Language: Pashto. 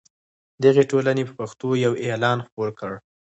دغې ټولنې په پښتو یو اعلان خپور کړ.